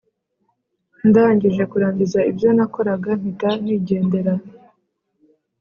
ndangije kurangiza ibyo nakoraga mpita nigendera.